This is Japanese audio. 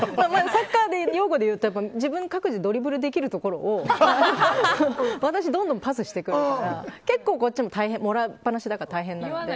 サッカー用語でいうと、各自でドリブルできるところを私にどんどんパスしてくるから結構こっちももらいっぱなしだから大変なので。